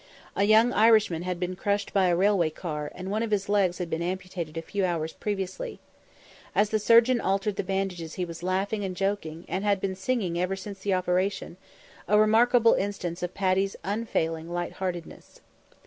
A young Irishman had been crushed by a railway car, and one of his legs had been amputated a few hours previously. As the surgeon altered the bandages he was laughing and joking, and had been singing ever since the operation a remarkable instance of Paddy's unfailing lightheartedness.